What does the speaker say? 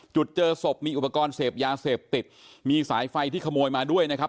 เจอศพมีอุปกรณ์เสพยาเสพติดมีสายไฟที่ขโมยมาด้วยนะครับ